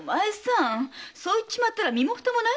そう言っちまったら身も蓋もないじゃないか。